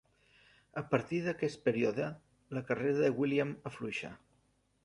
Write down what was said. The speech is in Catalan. A partir d'aquest període, la carrera de William afluixa.